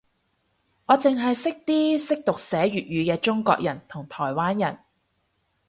我剩係識啲識讀寫粵語嘅中國人同台灣人